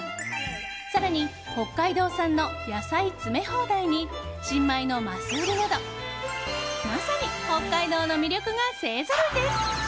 更に北海道産の野菜詰め放題に新米の升売りなどまさに北海道の魅力が勢ぞろいです。